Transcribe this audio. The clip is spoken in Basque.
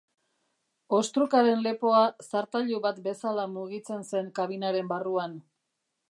Ostrukaren lepoa zartailu bat bezala mugitzen zen kabinaren barruan.